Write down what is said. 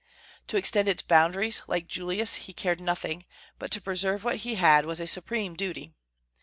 To extend its boundaries, like Julius, he cared nothing; but to preserve what he had was a supreme duty.